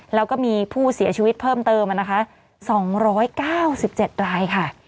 แล้วก็มีผู้เสียชีวิตเพิ่มเติมอ่ะนะคะสองร้อยเก้าสิบเจ็ดรายค่ะ